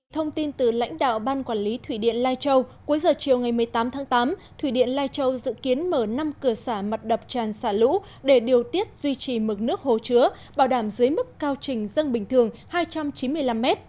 thông tin từ lãnh đạo ban quản lý thủy điện lai châu cuối giờ chiều ngày một mươi tám tháng tám thủy điện lai châu dự kiến mở năm cửa xả mặt đập tràn xả lũ để điều tiết duy trì mực nước hồ chứa bảo đảm dưới mức cao trình dân bình thường hai trăm chín mươi năm m